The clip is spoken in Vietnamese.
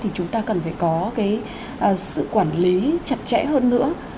thì chúng ta cần phải có cái sự quản lý chặt chẽ hơn nữa